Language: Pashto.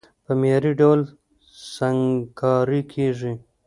په معياري ډول سنګکاري کېږي،